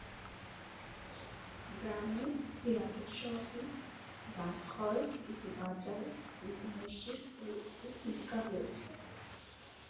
গ্রামে একটি রাজস্ব অফিস, ডাকঘর, দুইটি বাজার, তিনটি মসজিদ ও একটি ঈদগাহ রয়েছে।